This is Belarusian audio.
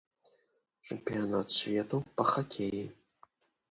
Чэмпіянат свету па хакеі.